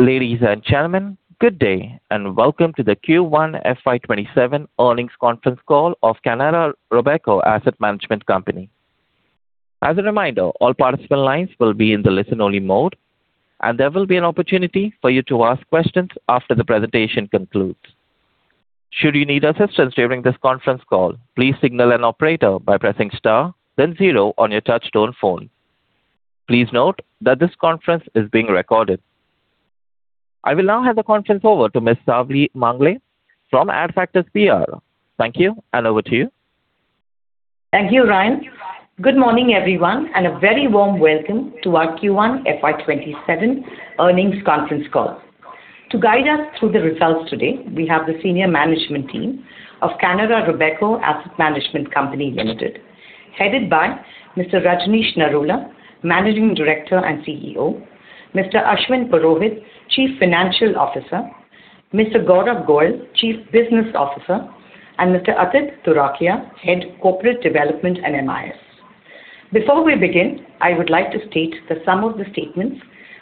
Ladies and gentlemen, good day and welcome to the Q1 FY 2027 earnings conference call of Canara Robeco Asset Management Company. As a reminder, all participant lines will be in the listen-only mode, and there will be an opportunity for you to ask questions after the presentation concludes. Should you need assistance during this conference call, please signal an operator by pressing star then zero on your touch-tone phone. Please note that this conference is being recorded. I will now hand the conference over to Ms. Savli Mangle from Adfactors PR. Thank you, and over to you. Thank you, Ryan. Good morning, everyone, and a very warm welcome to our Q1 FY 2027 earnings conference call. To guide us through the results today, we have the senior management team of Canara Robeco Asset Management Company Limited, headed by Mr. Rajnish Narula, Managing Director and CEO, Mr. Ashwin Purohit, Chief Financial Officer, Mr. Gaurav Goyal, Chief Business Officer, and Mr. Atit Turakhiya, Head Corporate Development and MIS. Before we begin, I would like to state that some of the statements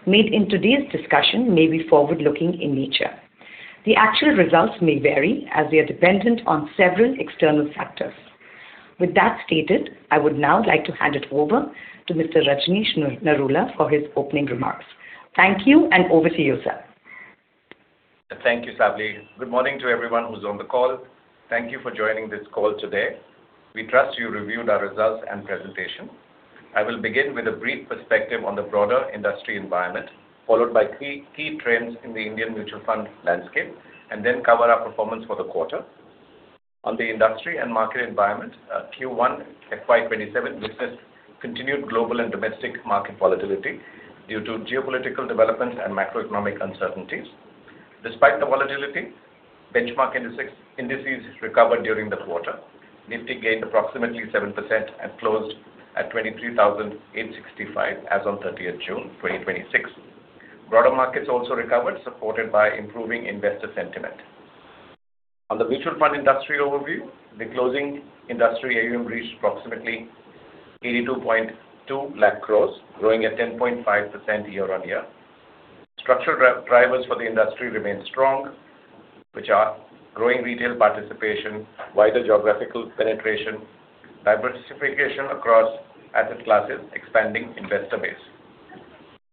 made in today's discussion may be forward-looking in nature. The actual results may vary as we are dependent on several external factors. With that stated, I would now like to hand it over to Mr. Rajnish Narula for his opening remarks. Thank you, and over to you, sir. Thank you, Savli. Good morning to everyone who's on the call. Thank you for joining this call today. We trust you reviewed our results and presentation. I will begin with a brief perspective on the broader industry environment, followed by key trends in the Indian mutual fund landscape, and then cover our performance for the quarter. On the industry and market environment, Q1 FY 2027 witnessed continued global and domestic market volatility due to geopolitical developments and macroeconomic uncertainties. Despite the volatility, benchmark indices recovered during the quarter. Nifty gained approximately 7% and closed at 23,865 as on 30th June 2026. Broader markets also recovered, supported by improving investor sentiment. On the mutual fund industry overview, the closing industry AUM reached approximately 82.2 lakh crore, growing at 10.5% year-on-year. Structural drivers for the industry remain strong, which are growing retail participation, wider geographical penetration, diversification across asset classes, expanding investor base.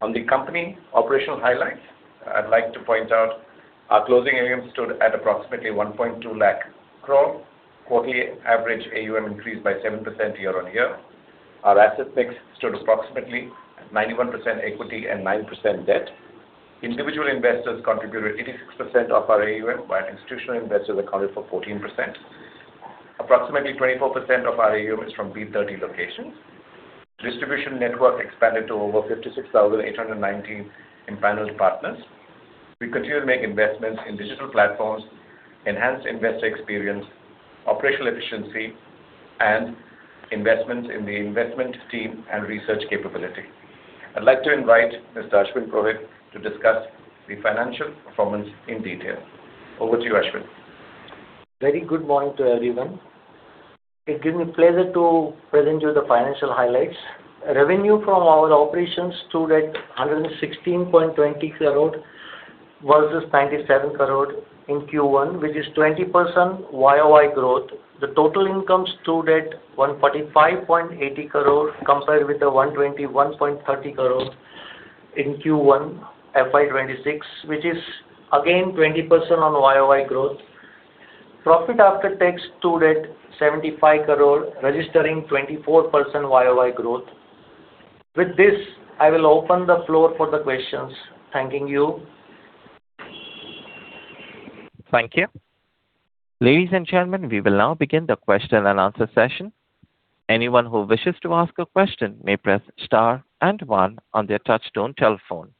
On the company operational highlights, I'd like to point out our closing AUM stood at approximately 1.2 lakh crore. Quarterly average AUM increased by 7% year-on-year. Our asset mix stood approximately at 91% equity and 9% debt. Individual investors contributed 86% of our AUM, while institutional investors accounted for 14%. Approximately 24% of our AUM is from B30 locations. Distribution network expanded to over 56,819 empaneled partners. We continue to make investments in digital platforms, enhance investor experience, operational efficiency, and investments in the investment team and research capability. I'd like to invite Mr. Ashwin Purohit to discuss the financial performance in detail. Over to you, Ashwin. Very good morning to everyone. It gives me pleasure to present you the financial highlights. Revenue from our operations stood at 116.20 crore versus 97 crore in Q1, which is 20% YoY growth. The total income stood at 145.80 crore, compared with the 121.30 crore in Q1 FY 2026, which is again 20% on YoY growth. Profit after tax stood at 75 crore, registering 24% YoY growth. With this, I will open the floor for the questions. Thanking you. Thank you. Ladies and gentlemen, we will now begin the question and answer session. Anyone who wishes to ask a question may press star and one on their touch-tone telephone.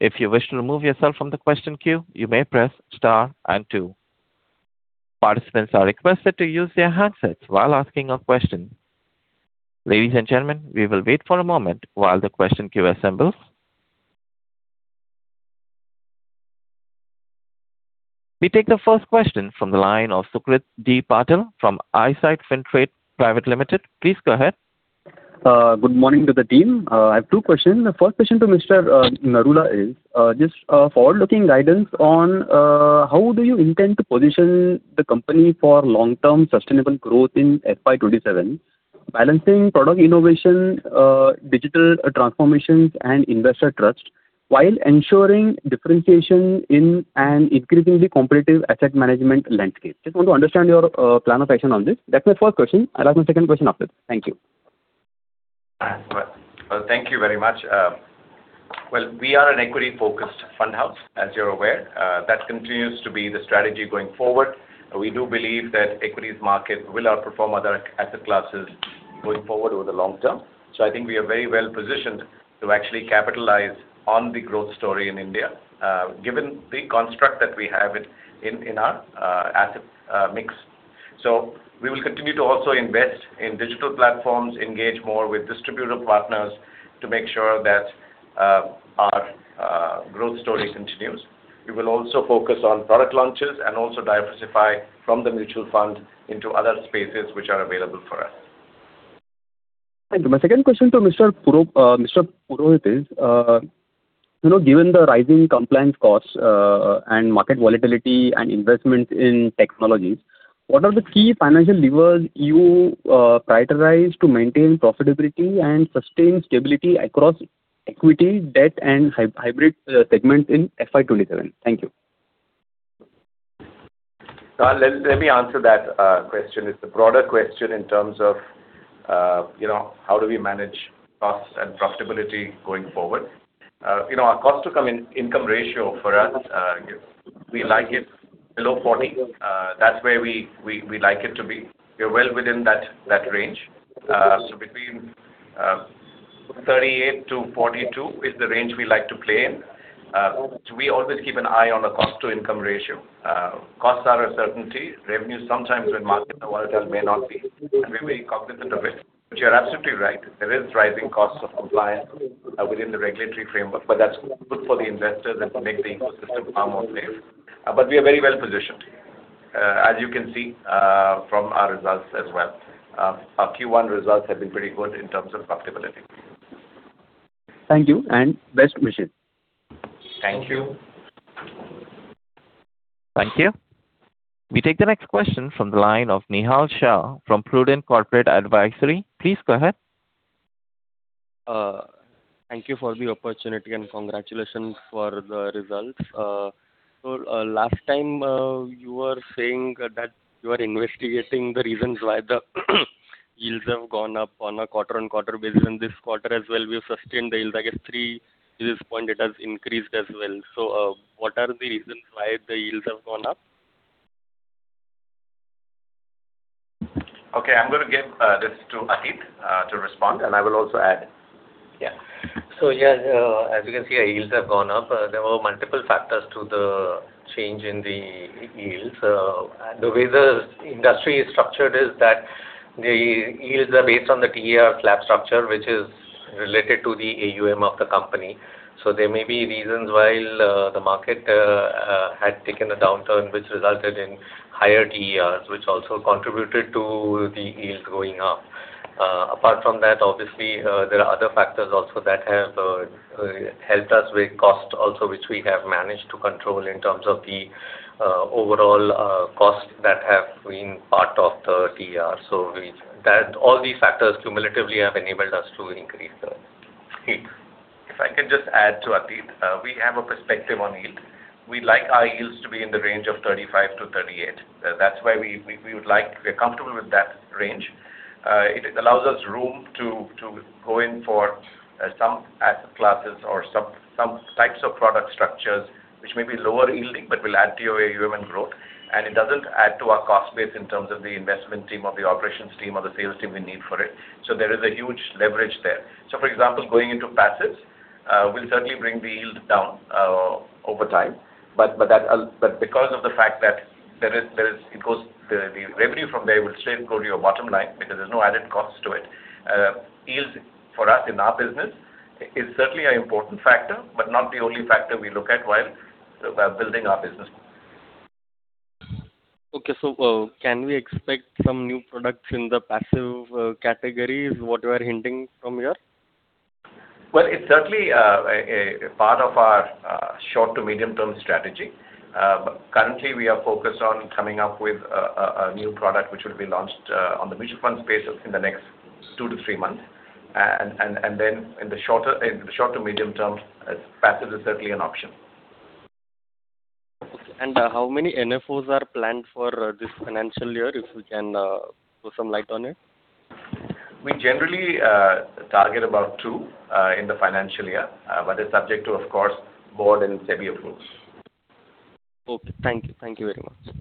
If you wish to remove yourself from the question queue, you may press star and two. Participants are requested to use their handsets while asking a question. Ladies and gentlemen, we will wait for a moment while the question queue assembles. We take the first question from the line of Sucrit D. Patil from Eyesight Fintrade Private Limited. Please go ahead. Good morning to the team. I have two questions. The first question to Mr. Narula is just forward-looking guidance on how do you intend to position the company for long-term sustainable growth in FY 2027, balancing product innovation, digital transformations, and investor trust while ensuring differentiation in an increasingly competitive asset management landscape? Just want to understand your plan of action on this. That's my first question. I'll ask my second question after. Thank you. Thank you very much. Well, we are an equity-focused fund house, as you're aware. That continues to be the strategy going forward. We do believe that equities market will outperform other asset classes going forward over the long term. I think we are very well positioned to actually capitalize on the growth story in India, given the construct that we have in our asset mix. We will continue to also invest in digital platforms, engage more with distributor partners to make sure that our growth story continues. We will also focus on product launches and also diversify from the mutual fund into other spaces which are available for us. Thank you. My second question to Mr. Purohit is, given the rising compliance costs and market volatility and investments in technologies, what are the key financial levers you prioritize to maintain profitability and sustain stability across equity, debt, and hybrid segments in FY 2027? Thank you. Let me answer that question. It's a broader question in terms of how do we manage costs and profitability going forward. Our cost-to-income ratio for us, we like it below 40%. That's where we like it to be. We're well within that range. Between 38%-42% is the range we like to play in. We always keep an eye on the cost-to-income ratio. Costs are a certainty. Revenue, sometimes when markets are volatile may not be, and we're very cognizant of it. You're absolutely right, there is rising costs of compliance within the regulatory framework, but that's good for the investors and to make the ecosystem far more safe. We are very well-positioned, as you can see from our results as well. Our Q1 results have been pretty good in terms of profitability. Thank you and best wishes. Thank you. Thank you. We take the next question from the line of Nihal Shah from Prudent Corporate Advisory. Please go ahead. Thank you for the opportunity and congratulations for the results. Last time you were saying that you are investigating the reasons why the yields have gone up on a quarter-on-quarter basis. In this quarter as well, we have sustained the yields. I guess 3 basis points it has increased as well. What are the reasons why the yields have gone up? I'm going to give this to Atit to respond and I will also add. Yeah. Yeah, as you can see, our yields have gone up. There were multiple factors to the change in the yields. The way the industry is structured is that the yields are based on the TER slab structure, which is related to the AUM of the company. There may be reasons why the market had taken a downturn which resulted in higher TERs, which also contributed to the yield going up. Apart from that, obviously, there are other factors also that have helped us with cost also, which we have managed to control in terms of the overall cost that have been part of the TER. All these factors cumulatively have enabled us to increase the yield. If I can just add to Atit. We have a perspective on yield. We like our yields to be in the range of 35%-38%. That's where we would like. We're comfortable with that range. It allows us room to go in for some asset classes or some types of product structures which may be lower yielding but will add to your AUM and growth. It doesn't add to our cost base in terms of the investment team or the operations team or the sales team we need for it. There is a huge leverage there. For example, going into passives will certainly bring the yield down over time. Because of the fact that the revenue from there will straight go to your bottom line because there's no added cost to it. Yields for us in our business is certainly an important factor, not the only factor we look at while building our business. Okay, can we expect some new products in the passive category? Is that what you are hinting from here? Well, it's certainly a part of our short to medium-term strategy. Currently, we are focused on coming up with a new product, which will be launched on the mutual fund space in the next two to three months. In the short to medium term, passive is certainly an option. Okay. How many NFOs are planned for this financial year? If you can put some light on it. We generally target about two in the financial year, it's subject to, of course, board and SEBI approvals. Okay. Thank you. Thank you very much.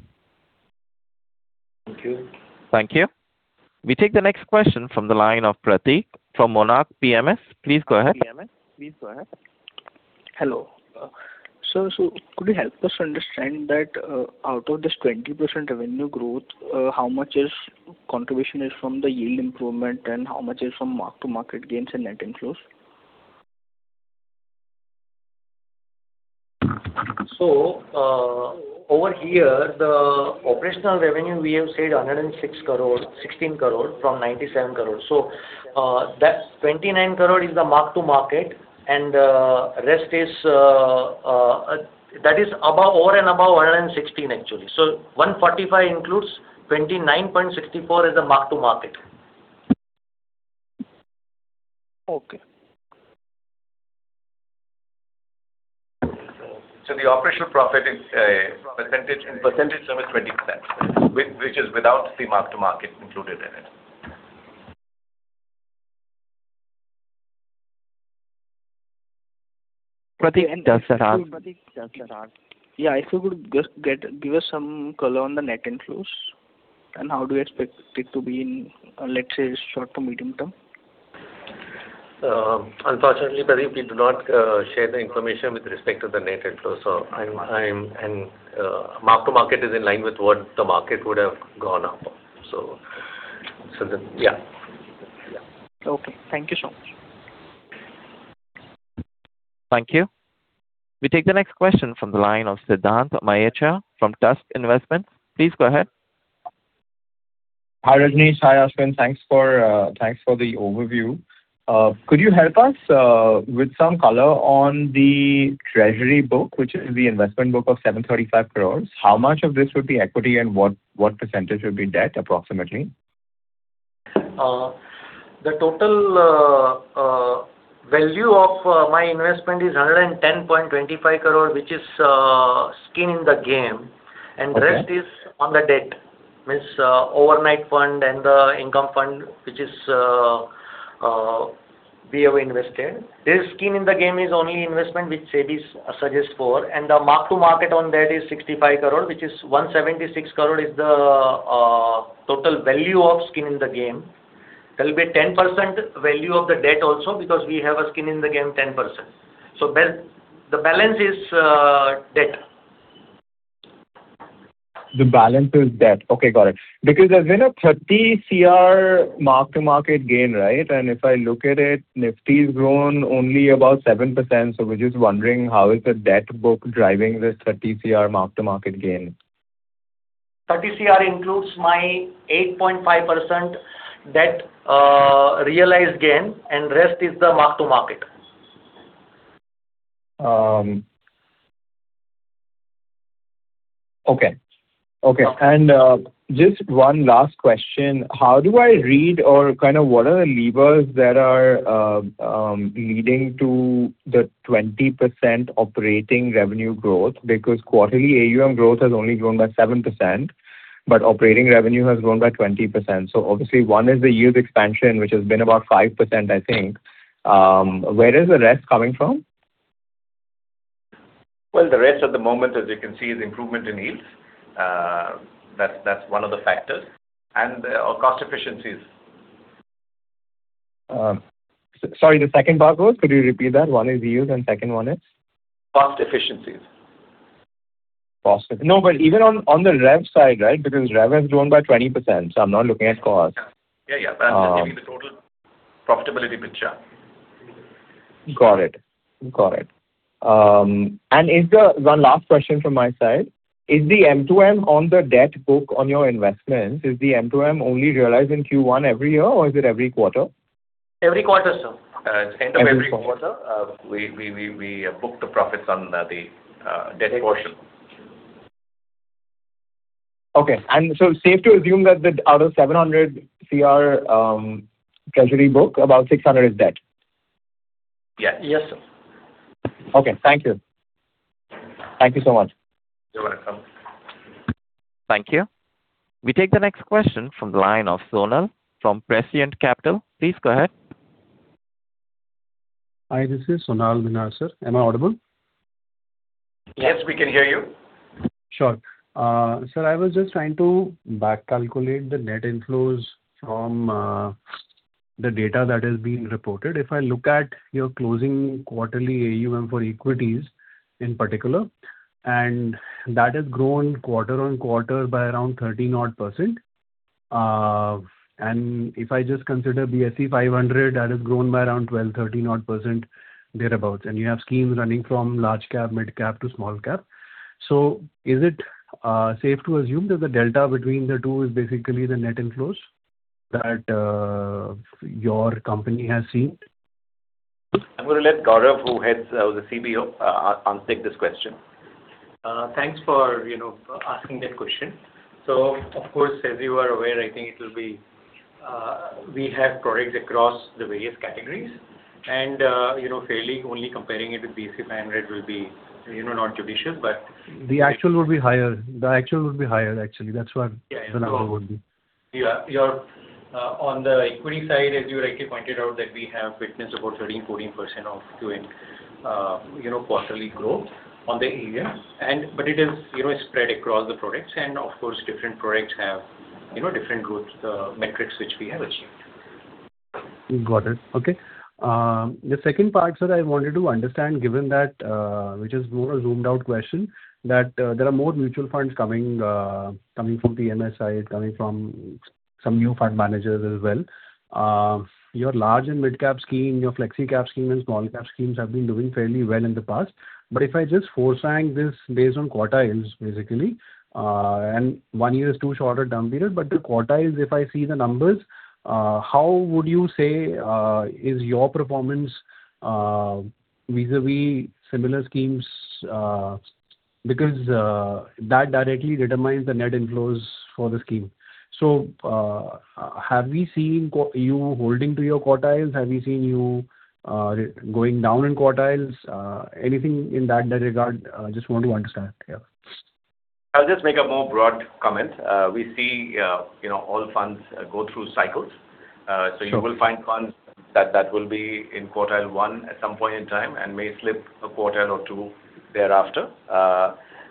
Thank you. Thank you. We take the next question from the line of Pratik from Monarch PMS. Please go ahead. Hello. Could you help us understand that out of this 20% revenue growth, how much contribution is from the yield improvement and how much is from mark-to-market gains and net inflows? Over here, the operational revenue, we have said 116 crore from 97 crore. That 29 crore is the mark-to-market and the rest is That is over and above 116 crore actually. 145 crore includes 29.64 crore is the mark-to-market. Okay. The operational profit in percentage terms is 20%, which is without the mark-to-market included in it. Pratik. [inaudible] If you could just give us some color on the net inflows and how do you expect it to be in, let's say, short to medium term? Unfortunately, Pratik, we do not share the information with respect to the net inflow. Mark-to-market is in line with what the market would have gone up. Okay. Thank you so much. Thank you. We take the next question from the line of Siddhant Mayecha from Tusk Investments. Please go ahead. Hi, Rajnish. Hi, Ashwin. Thanks for the overview. Could you help us with some color on the treasury book, which is the investment book of 735 crore? How much of this would be equity and what percentage would be debt approximately? The total value of my investment is 110.25 crore, which is skin in the game. Okay. Rest is on the debt. Means overnight fund and the income fund, which we have invested. This skin in the game is only investment which SEBI suggests for, and the mark-to-market on that is 65 crore, which is 176 crore is the total value of skin in the game. There will be 10% value of the debt also because we have a skin in the game 10%. The balance is debt. The balance is debt. Okay, got it. There's been a 30 crore mark-to-market gain, right? If I look at it, Nifty's grown only about 7%. We're just wondering how is the debt book driving this 30 crore mark-to-market gain? 30 crore includes my 8.5% debt realized gain, and rest is the mark-to-market. Okay. Just one last question. How do I read or what are the levers that are leading to the 20% operating revenue growth? Quarterly AUM growth has only grown by 7%, but operating revenue has grown by 20%. Obviously one is the yield expansion, which has been about 5%, I think. Where is the rest coming from? Well, the rest at the moment, as you can see, is improvement in yields. That's one of the factors, and our cost efficiencies. Sorry, the second part was, could you repeat that? One is yields, and second one is? Cost efficiencies. No, even on the rev side, right? Because rev has grown by 20%, I'm not looking at cost. Yeah. I'm just giving the total profitability picture. Got it. One last question from my side. Is the M2M on the debt book on your investments, is the M2M only realized in Q1 every year, or is it every quarter? Every quarter, sir. Every quarter. At the end of every quarter, we book the profits on the debt portion. Okay. Safe to assume that out of 700 crore treasury book, about 600 crore is debt? Yes. Okay. Thank you. Thank you so much. You're welcome. Thank you. We take the next question from the line of Sonal from Prescient Capital. Please go ahead. Hi, this is Sonal Minhas, sir. Am I audible? Yes, we can hear you. Sure. Sir, I was just trying to back calculate the net inflows from the data that has been reported. If I look at your closing quarterly AUM for equities in particular, that has grown quarter-on-quarter by around 13%-odd. If I just consider BSE 500, that has grown by around 12%, 13%-odd thereabout. You have schemes running from large cap, mid cap to small cap. Is it safe to assume that the delta between the two is basically the net inflows that your company has seen? I'm going to let Gaurav who heads the CBO answer this question. Thanks for asking that question. Of course, as you are aware, I think we have products across the various categories and fairly only comparing it with BSE 500 will be not judicious. The actual would be higher. The actual would be higher, actually. Yeah. On the equity side, as you rightly pointed out, that we have witnessed about 13%-14% of quarterly growth on the AUM. It is spread across the products and of course, different products have different growth metrics, which we have achieved. Got it. Okay. The second part, sir, I wanted to understand given that, which is more a zoomed-out question, that there are more mutual funds coming from the MSI, coming from some new fund managers as well. Your large and mid-cap scheme, your flexi-cap scheme and small-cap schemes have been doing fairly well in the past. If I just foresaw this based on quartiles, basically, and one year is too short a time period, but the quartiles, if I see the numbers, how would you say is your performance vis-a-vis similar schemes? Because that directly determines the net inflows for the scheme. Have we seen you holding to your quartiles? Have we seen you going down in quartiles? Anything in that regard, just want to understand. Yeah. I'll just make a more broad comment. We see all funds go through cycles. Sure. You will find funds that will be in quartile one at some point in time and may slip a quartile or two thereafter.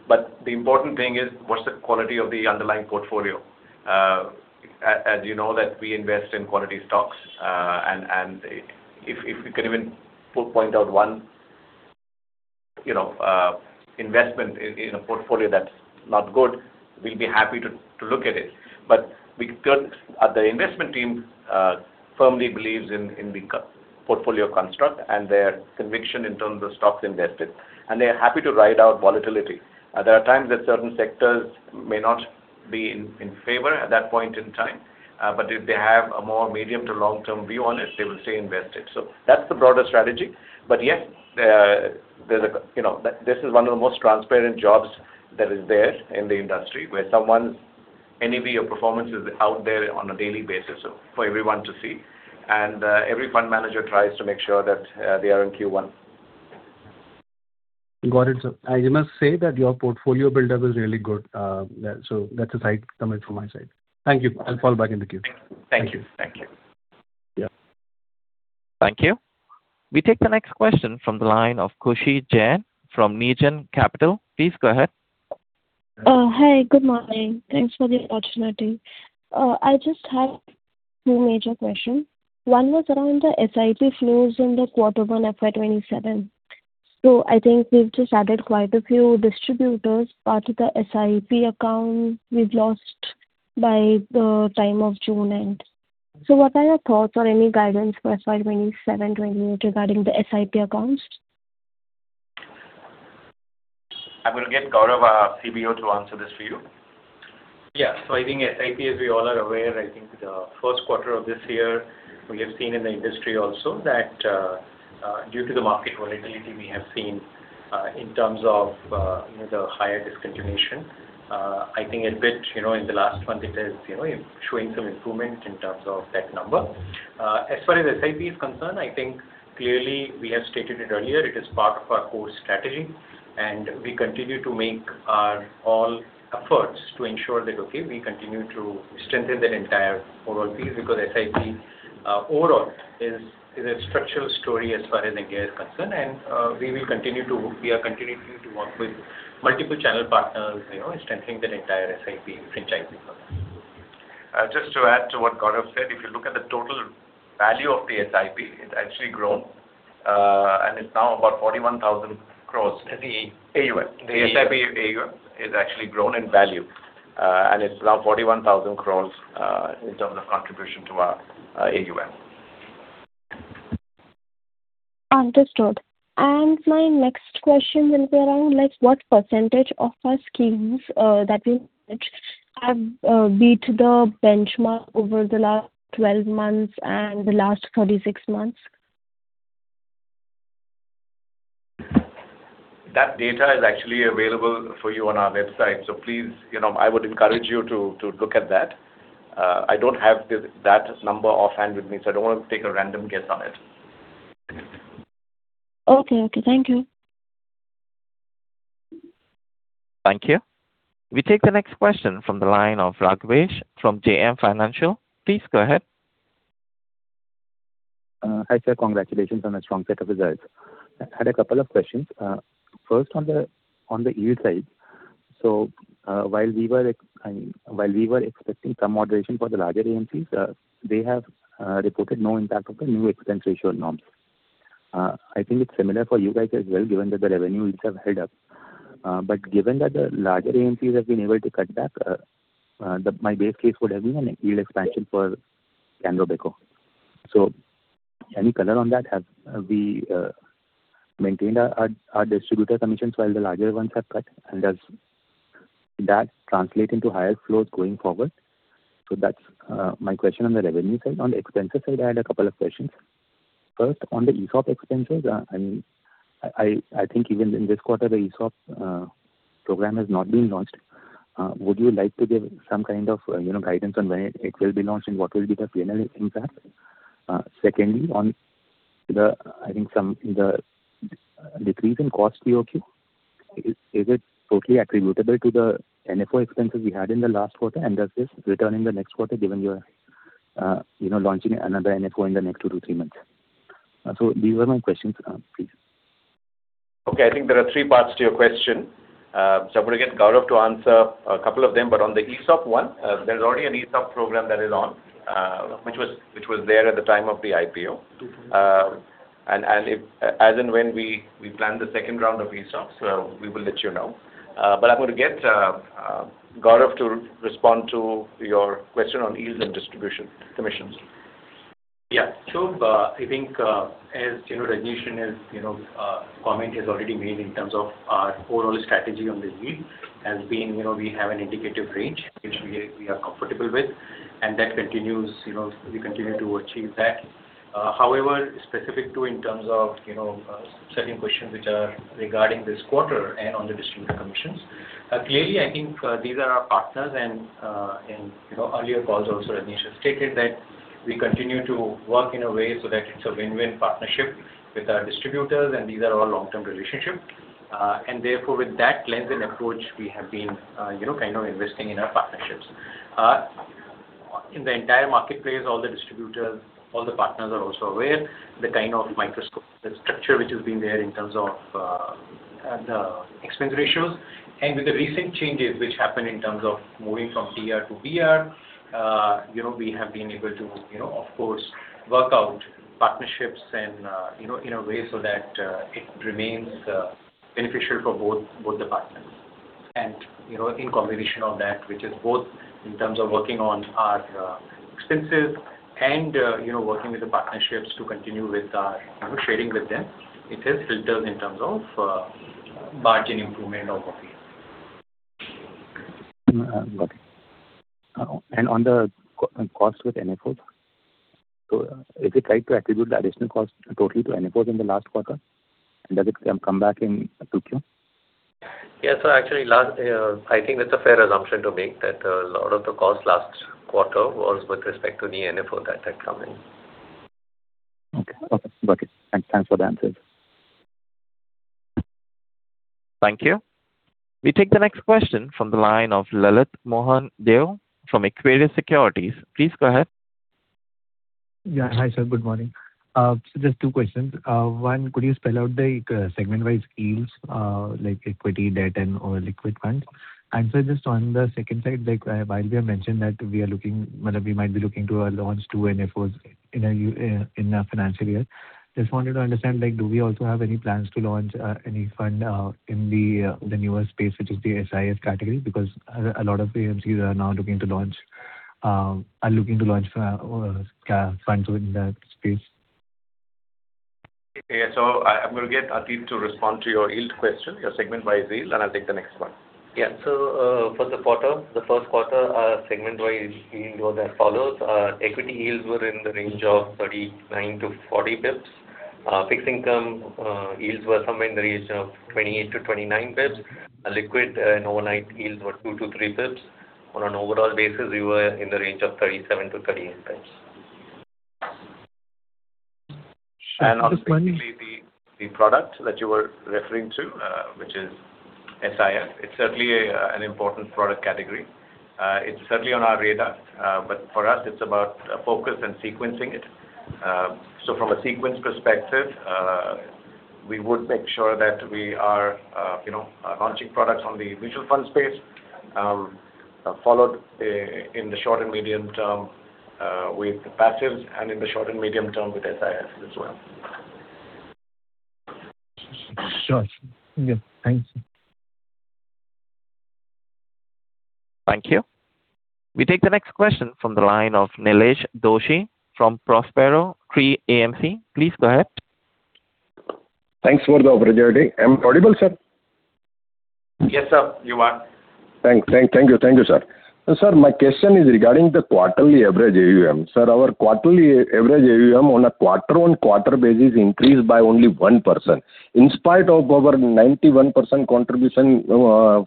The important thing is what's the quality of the underlying portfolio? You know that we invest in quality stocks. If we can even point out one investment in a portfolio that's not good, we'll be happy to look at it. Because the investment team firmly believes in the portfolio construct and their conviction in terms of stocks invested, and they are happy to ride out volatility. There are times that certain sectors may not be in favor at that point in time, but if they have a more medium to long-term view on it, they will stay invested. That's the broader strategy. Yes, this is one of the most transparent jobs that is there in the industry, where someone's AUM performance is out there on a daily basis for everyone to see, and every fund manager tries to make sure that they are in Q1. Got it, sir. I must say that your portfolio buildup is really good. That's a side comment from my side. Thank you. I'll fall back in the queue. Thank you. Thank you. Thank you. We take the next question from the line of Khushi Jain from Negen Capital. Please go ahead. Hi. Good morning. Thanks for the opportunity. I just have two major questions. One was around the SIP flows in the quarter one FY 2027. I think we've just added quite a few distributors. Part of the SIP account we've lost by the time of June end. What are your thoughts or any guidance for FY 2027 regarding the SIP accounts? I'm going to get Gaurav, our CBO, to answer this for you. Yeah. I think SIP, as we all are aware, I think the first quarter of this year, we have seen in the industry also that due to the market volatility we have seen in terms of the higher discontinuation. I think a bit in the last month it is showing some improvement in terms of that number. As far as SIP is concerned, I think clearly we have stated it earlier, it is part of our core strategy, and we continue to make all efforts to ensure that, okay, we continue to strengthen that entire overall piece because SIP overall is a structural story as far as India is concerned, and we are continuing to work with multiple channel partners, strengthening that entire SIP franchise for us. Just to add to what Gaurav said, if you look at the total value of the SIP, it's actually grown and it's now about 41,000 crore. The AUM. The SIP AUM is actually grown in value and it's now 41,000 crore in terms of contribution to our AUM. Understood. My next question will be around what percentage of our schemes that we manage have beat the benchmark over the last 12 months and the last 36 months? That data is actually available for you on our website. Please, I would encourage you to look at that. I don't have that number offhand with me, I don't want to take a random guess on it. Okay. Thank you. Thank you. We take the next question from the line of Raghvesh from JM Financial. Please go ahead. Hi, sir. Congratulations on a strong set of results. I had a couple of questions. First on the yield side. While we were expecting some moderation for the larger AMCs, they have reported no impact of the new expense ratio norms. I think it's similar for you guys as well, given that the revenue yields have held up. Given that the larger AMCs have been able to cut back, my base case would have been a yield expansion for Canara Robeco. Any color on that? Have we maintained our distributor commissions while the larger ones have cut, and does that translate into higher flows going forward? That's my question on the revenue side. On the expenses side, I had a couple of questions. First, on the ESOP expenses, I think even in this quarter, the ESOP program has not been launched. Would you like to give some kind of guidance on when it will be launched and what will be the P&L impact? Secondly on the, I think, the decrease in cost QoQ, is it totally attributable to the NFO expenses we had in the last quarter? Does this return in the next quarter given you are launching another NFO in the next two to three months? These were my questions. Please. Okay. I think there are three parts to your question. I'm going to get Gaurav to answer a couple of them. On the ESOP one, there's already an ESOP program that is on, which was there at the time of the IPO. As and when we plan the second round of ESOPs, we will let you know. I'm going to get Gaurav to respond to your question on yields and distribution commissions. I think as Rajnish's comment he has already made in terms of our overall strategy on the yield has been, we have an indicative range which we are comfortable with, and that continues, we continue to achieve that. However, specific to in terms of certain questions which are regarding this quarter and on the distributor commissions, clearly, I think these are our partners and in earlier calls also Rajnish has stated that we continue to work in a way so that it's a win-win partnership with our distributors, and these are our long-term relationships. Therefore, with that lens and approach, we have been kind of investing in our partnerships. In the entire marketplace, all the distributors, all the partners are also aware the kind of microscopic structure which has been there in terms of the expense ratios. With the recent changes which happened in terms of moving from TER to BER, we have been able to, of course, work out partnerships and in a way so that it remains beneficial for both departments. In combination of that, which is both in terms of working on our expenses and working with the partnerships to continue with our trading with them, it has filtered in terms of margin improvement or profit. Got it. On the cost with NFOs, is it right to attribute the additional cost totally to NFOs in the last quarter? Does it come back in 2Q? Yes. Actually, I think that's a fair assumption to make that a lot of the cost last quarter was with respect to the NFO that had come in. Okay. Got it. Thanks for the answers. Thank you. We take the next question from the line of Lalit Mohan Deo from Equirus Securities. Please go ahead. Hi, sir. Good morning. Just two questions. One, could you spell out the segment-wide schemes, like equity, debt, and/or liquid funds? Just on the second side, like Raghvesh mentioned that we might be looking to launch two NFOs in our financial year. Just wanted to understand, do we also have any plans to launch any fund in the newer space, which is the SIF category? A lot of AMCs are now looking to launch funds within that space. I'm going to get Atit to respond to your yield question, your segment-wide yield, and I'll take the next one. For the quarter, the first quarter segment-wide yield were as follows. Equity yields were in the range of 39 basis points-40 basis points. Fixed income yields were somewhere in the range of 28 basis points-29 basis points. Liquid and overnight yields were 2 basis points-3 basis points. On an overall basis, we were in the range of 37 basis points-38 basis points. Sure. Specifically the product that you were referring to, which is SIF. It's certainly an important product category. It's certainly on our radar. For us, it's about focus and sequencing it. From a sequence perspective, we would make sure that we are launching products on the mutual fund space, followed in the short and medium term with the passives and in the short and medium term with SIF as well. Sure. Good. Thanks. Thank you. We take the next question from the line of Nilesh Doshi from Prospero Tree AMC. Please go ahead. Thanks for the opportunity. Am I audible, sir? Yes, sir. You are. Thank you. Thank you, sir. Sir, my question is regarding the quarterly average AUM. Sir, our quarterly average AUM on a quarter-on-quarter basis increased by only 1%, in spite of our 91% contribution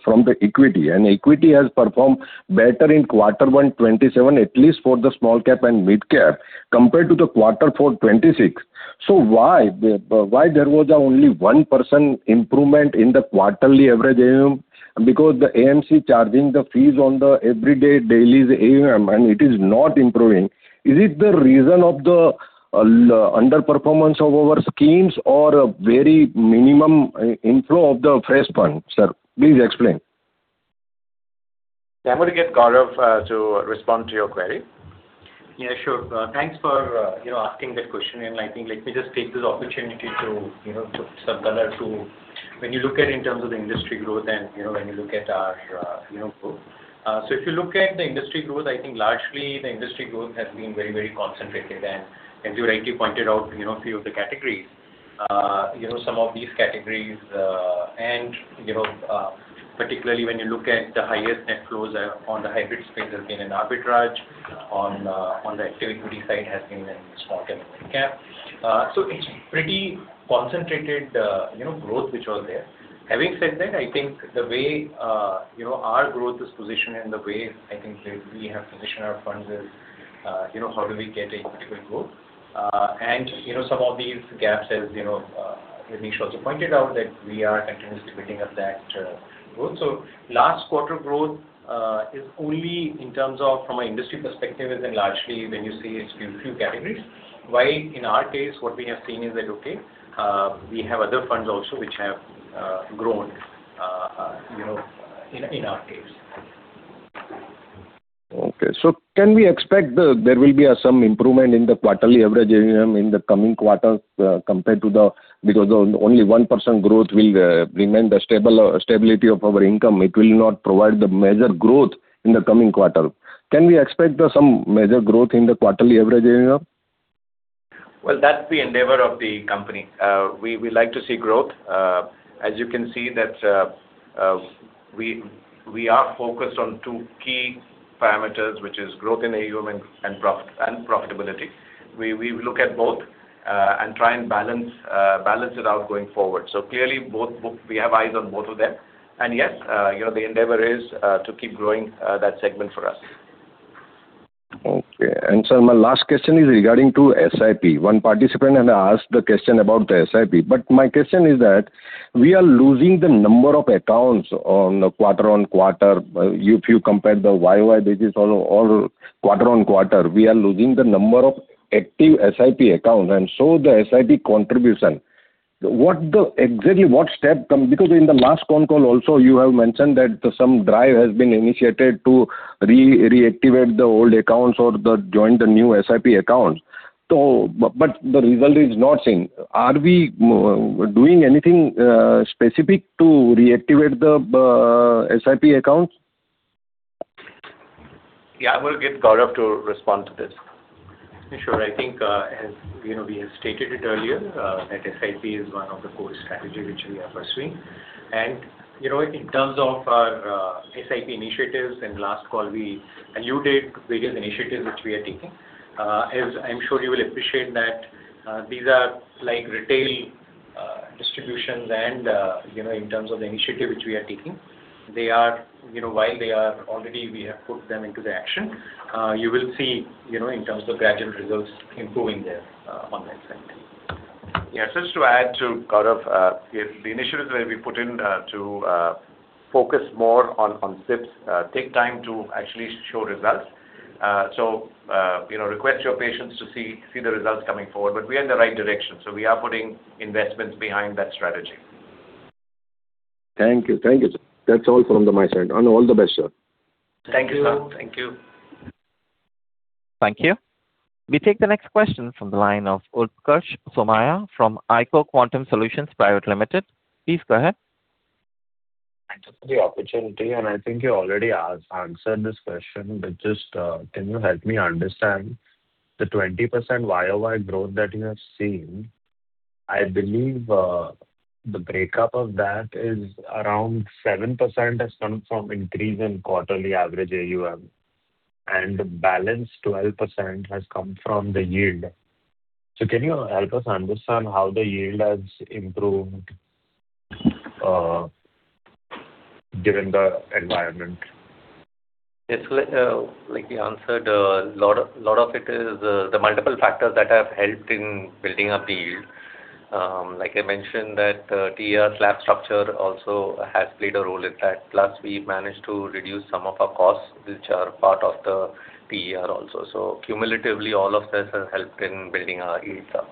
from the equity, and equity has performed better in Q1 2027, at least for the small cap and mid cap, compared to the Q4 2026. Why there was only 1% improvement in the quarterly average AUM? Because the AMC charging the fees on the everyday daily AUM, and it is not improving. Is it the reason of the underperformance of our schemes or a very minimum inflow of the fresh funds, sir? Please explain. I'm going to get Gaurav to respond to your query. Yeah, sure. Thanks for asking that question. I think let me just take this opportunity to put some color to when you look at in terms of the industry growth and when you look at our growth. If you look at the industry growth, I think largely the industry growth has been very concentrated. You rightly pointed out a few of the categories. Some of these categories, and particularly when you look at the highest net flows on the hybrid space has been in arbitrage, on the equity side has been in small cap and mid cap. It's pretty concentrated growth which was there. Having said that, I think the way our growth is positioned and the way I think we have positioned our funds is how do we get equitable growth. Some of these gaps, as Nihal also pointed out, that we are continuously building up that growth. Last quarter growth is only in terms of from an industry perspective is in largely when you see it's few categories. While in our case, what we have seen is that, okay, we have other funds also which have grown in our case. Okay. Can we expect there will be some improvement in the quarterly average AUM in the coming quarters compared to the. Only 1% growth will remain the stability of our income. It will not provide the major growth in the coming quarter. Can we expect some major growth in the quarterly average AUM? Well, that's the endeavor of the company. We like to see growth. As you can see that we are focused on two key parameters, which is growth in AUM and profitability. We look at both and try and balance it out going forward. Clearly, we have eyes on both of them. Yes, the endeavor is to keep growing that segment for us. Okay. Sir, my last question is regarding to SIP. One participant had asked the question about the SIP. My question is that we are losing the number of accounts on a quarter-on-quarter. If you compare the YoY basis or quarter-on-quarter, we are losing the number of active SIP accounts. Exactly what step? In the last con call also, you have mentioned that some drive has been initiated to reactivate the old accounts or join the new SIP accounts. The result is not seen. Are we doing anything specific to reactivate the SIP accounts? Yeah. I will get Gaurav to respond to this. Sure. I think as we have stated it earlier that SIP is one of the core strategy which we are pursuing. In terms of our SIP initiatives, in last call we alluded various initiatives which we are taking. As I'm sure you will appreciate that these are like retail distributions and in terms of the initiative which we are taking, while they are already we have put them into the action. You will see in terms of gradual results improving there on that front. Yes. Just to add to Gaurav the initiatives that we put in to focus more on SIPs take time to actually show results. Request your patience to see the results coming forward. We are in the right direction, so we are putting investments behind that strategy. Thank you. That's all from my side and all the best, sir. Thank you, sir. Thank you. Thank you. We take the next question from the line of Utkarsh Somaiya from Eiko Quantum Solutions Private Limited. Please go ahead. Thank you for the opportunity. I think you already answered this question, but just can you help me understand the 20% YoY growth that you have seen? I believe the breakup of that is around 7% has come from increase in quarterly average AUM and the balance 12% has come from the yield. Can you help us understand how the yield has improved given the environment? Yes. Like we answered, a lot of it is the multiple factors that have helped in building up the yield. Like I mentioned that TER slab structure also has played a role in that. Plus we've managed to reduce some of our costs, which are part of the TER also. Cumulatively, all of this has helped in building our yields up.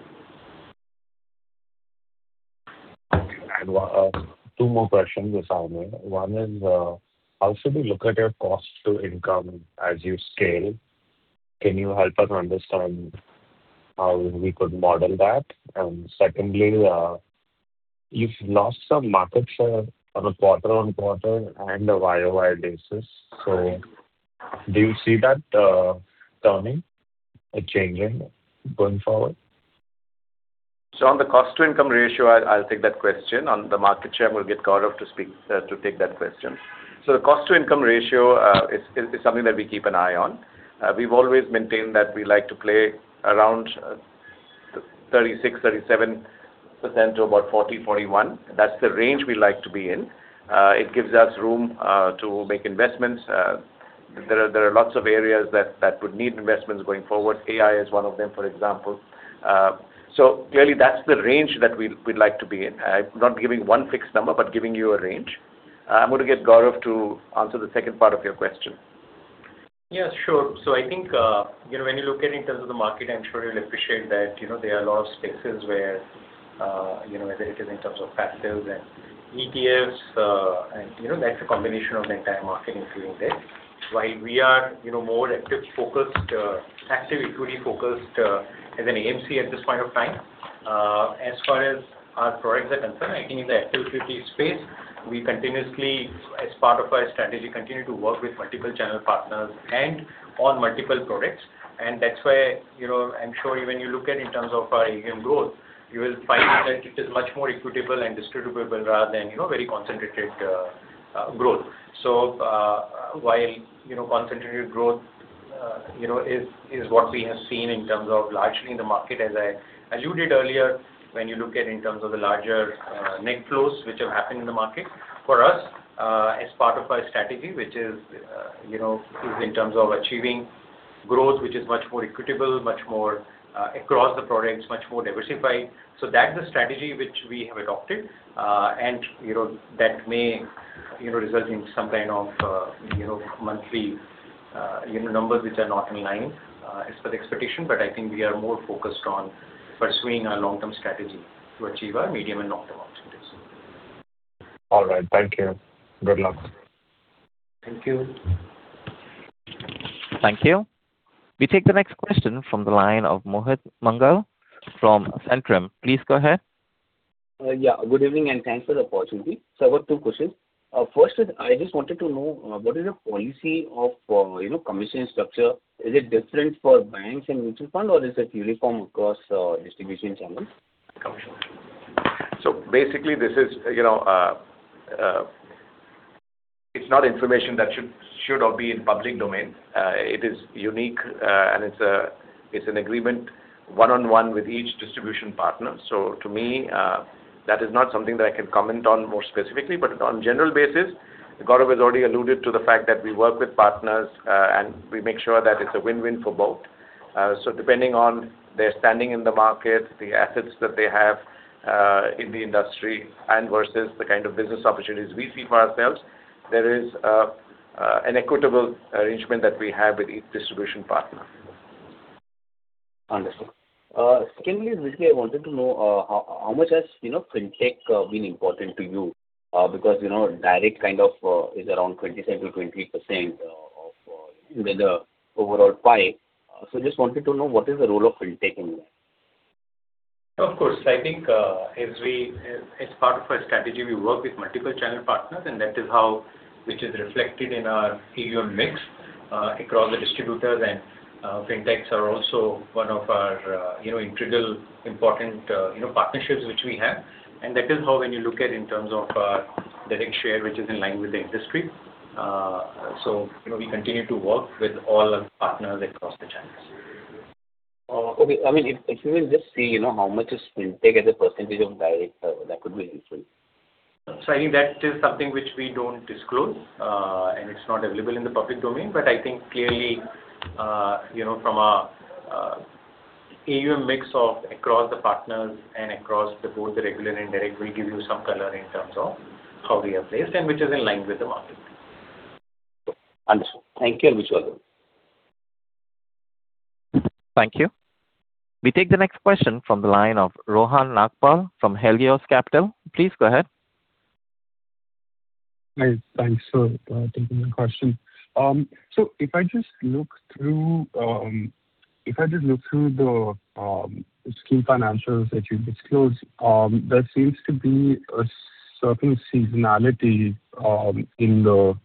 Okay. I have two more questions, if I may. One is how should we look at your cost to income as you scale? Can you help us understand how we could model that? Secondly, you've lost some market share on a quarter-on-quarter and a YoY basis. Do you see that turning or changing going forward? On the cost-to-income ratio, I'll take that question. On the market share, I'm going to get Gaurav to take that question. The cost-to-income ratio is something that we keep an eye on. We've always maintained that we like to play around 36%-37% to about 40%-41%. That's the range we like to be in. It gives us room to make investments. There are lots of areas that would need investments going forward. AI is one of them, for example. Clearly, that's the range that we'd like to be in. I'm not giving one fixed number, but giving you a range. I'm going to get Gaurav to answer the second part of your question. Yeah, sure. I think when you look at in terms of the market, I'm sure you'll appreciate that there are a lot of spaces where whether it is in terms of passives and ETFs and that's a combination of the entire market improving there. While we are more active equity focused as an AMC at this point of time as far as our products are concerned, I think in the active equity space, we continuously, as part of our strategy, continue to work with multiple channel partners and on multiple products and that's why I'm sure even you look at in terms of our AUM growth, you will find that it is much more equitable and distributable rather than very concentrated growth. While concentrated growth is what we have seen in terms of largely in the market, as I alluded earlier, when you look at in terms of the larger net flows which have happened in the market, for us as part of our strategy, which is in terms of achieving growth which is much more equitable, much more across the products, much more diversified. That's the strategy which we have adopted and that may result in some kind of monthly numbers which are not in line as per the expectation. I think we are more focused on pursuing our long-term strategy to achieve our medium and long-term opportunities. All right. Thank you. Good luck. Thank you. Thank you. We take the next question from the line of Mohit Mangal from Centrum. Please go ahead. Yeah. Good evening, and thanks for the opportunity. Sir, I've got two questions. First is I just wanted to know what is your policy of commission structure? Is it different for banks and mutual fund, or is it uniform across distribution channels? Basically it is not information that should or be in public domain. It is unique and it is an agreement one-on-one with each distribution partner. To me that is not something that I can comment on more specifically. On general basis, Gaurav has already alluded to the fact that we work with partners and we make sure that it is a win-win for both. Depending on their standing in the market, the assets that they have in the industry and versus the kind of business opportunities we see for ourselves, there is an equitable arrangement that we have with each distribution partner. Understood. Secondly is basically I wanted to know how much has FinTech been important to you? Direct kind of is around 27%-28% of the overall pie. Just wanted to know what is the role of FinTech in that. Of course. I think as part of our strategy, we work with multiple channel partners, and that is how it is reflected in our AUM mix across the distributors. FinTechs are also one of our integral important partnerships which we have. That is how when you look at in terms of our direct share, which is in line with the industry. We continue to work with all our partners across the channels. Okay. If you will just say how much is FinTech as a percentage of direct, that would be useful. I think that is something which we don't disclose, and it's not available in the public domain. I think clearly, from our AUM mix of across the partners and across both the regular and direct will give you some color in terms of how we are placed and which is in line with the market. Understood. Thank you, and wish you all the best. Thank you. We take the next question from the line of Rohan Nagpal from Helios Capital. Please go ahead. Hi. Thanks for taking the question. If I just look through the scheme financials that you've disclosed, there seems to be a certain seasonality in the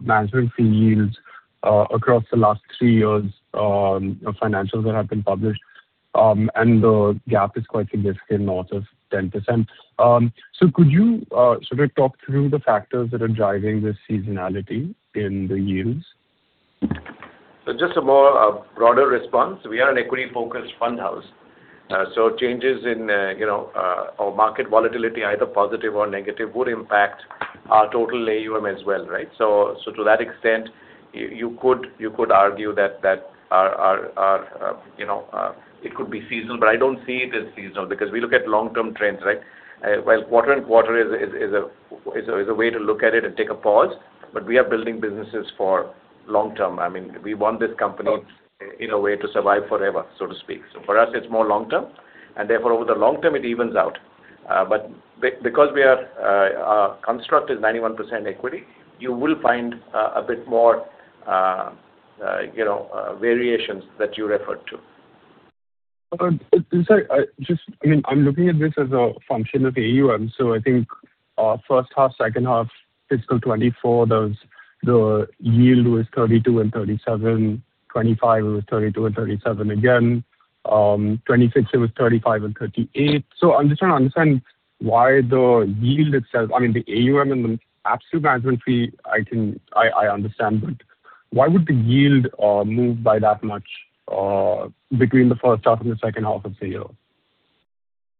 management fee yields across the last three years of financials that have been published. The gap is quite significant, north of 10%. Could you sort of talk through the factors that are driving this seasonality in the yields? Just a more broader response. We are an equity-focused fund house. Changes in our market volatility, either positive or negative, would impact our total AUM as well, right? To that extent, you could argue that it could be seasonal, but I don't see it as seasonal because we look at long-term trends, right? While quarter-on-quarter is a way to look at it and take a pause, we are building businesses for long-term. I mean, we want this company in a way to survive forever, so to speak. For us, it's more long-term, and therefore over the long term it evens out. Because our construct is 91% equity, you will find a bit more variations that you referred to. I'm looking at this as a function of AUM. I think our first half, second half fiscal 2024, the yield was 32% and 37%. 2025 it was 32% and 37% again. 2026 it was 35% and 38%. I'm just trying to understand why the yield itself, I mean, the AUM and the absolute management fee, I understand. Why would the yield move by that much between the first half and the second half of the year?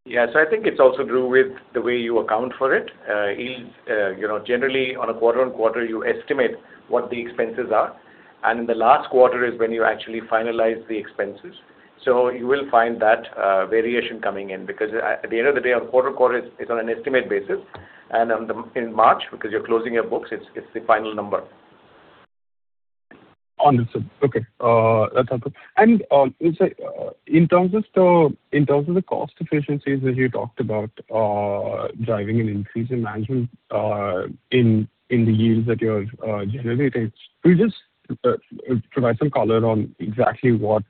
Yeah. I think it's also to do with the way you account for it. Yields, generally on a quarter-on-quarter, you estimate what the expenses are. In the last quarter is when you actually finalize the expenses. You will find that variation coming in, because at the end of the day, on a quarter-on-quarter it's on an estimate basis. In March, because you're closing your books, it's the final number. Understood. Okay. That's helpful. In terms of the cost efficiencies that you talked about driving an increase in the yields that you're generating, could you just provide some color on exactly what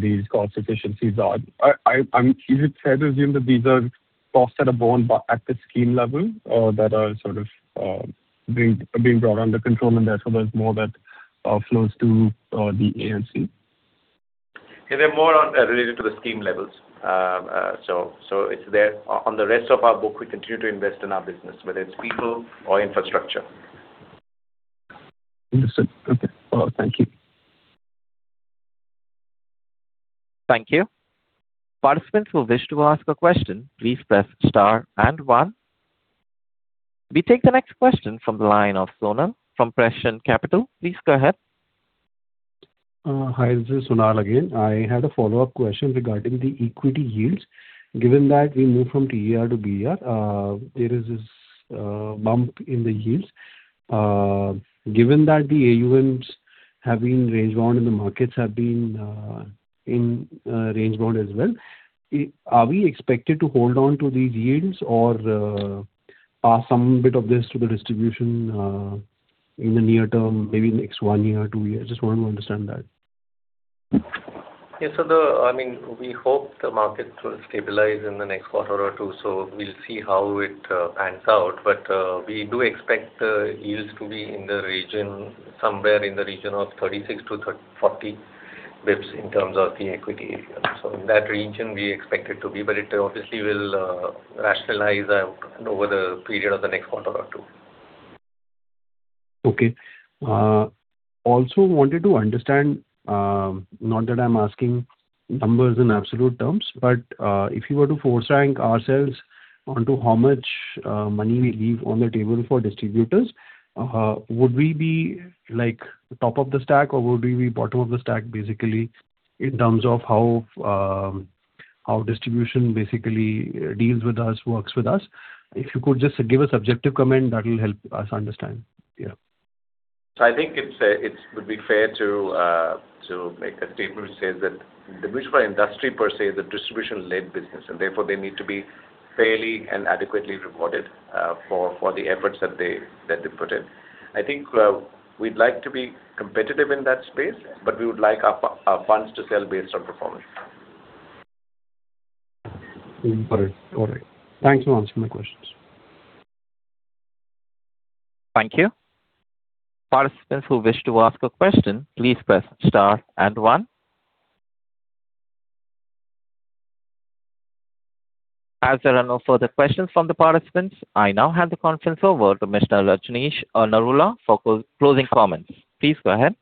these cost efficiencies are? Is it fair to assume that these are costs that are borne at the scheme level, that are sort of being brought under control and therefore there's more that flows to the AMC? They're more related to the scheme levels. It's there. On the rest of our book, we continue to invest in our business, whether it's people or infrastructure. Understood. Okay. Thank you. Thank you. Participants who wish to ask a question, please press star and one. We take the next question from the line of Sonal from Prescient Capital. Please go ahead. Hi, this is Sonal again. I had a follow-up question regarding the equity yields. Given that we moved from TER to BER, there is this bump in the yields. Given that the AUMs have been range-bound and the markets have been range-bound as well, are we expected to hold on to these yields or pass some bit of this to the distribution in the near term, maybe next one year or two years? I just want to understand that. Yeah. We hope the markets will stabilize in the next quarter or two, we'll see how it pans out. We do expect the yields to be somewhere in the region of 36 basis points-40 basis points in terms of the equity AUM. In that region we expect it to be. It obviously will rationalize out over the period of the next quarter or two. Okay. Also wanted to understand, not that I'm asking numbers in absolute terms, but if you were to force rank ourselves onto how much money we leave on the table for distributors, would we be top of the stack or would we be bottom of the stack basically in terms of how distribution basically deals with us, works with us? If you could just give a subjective comment, that will help us understand. Yeah. I think it would be fair to make a statement to say that the mutual fund industry per se is a distribution-led business, and therefore they need to be fairly and adequately rewarded for the efforts that they put in. I think we'd like to be competitive in that space, we would like our funds to sell based on performance. All right. Thanks for answering my questions. Thank you. Participants who wish to ask a question, please press star and one. As there are no further questions from the participants, I now hand the conference over to Mr. Rajnish Narula for closing comments. Please go ahead.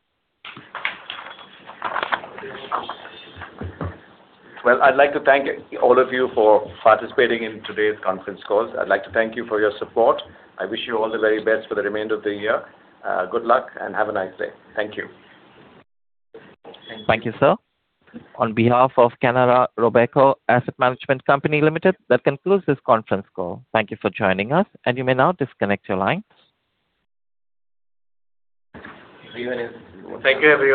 Well, I'd like to thank all of you for participating in today's conference call. I'd like to thank you for your support. I wish you all the very best for the remainder of the year. Good luck and have a nice day. Thank you. Thank you, sir. On behalf of Canara Robeco Asset Management Company Limited, that concludes this conference call. Thank you for joining us. You may now disconnect your lines. See you. Thank you, everyone.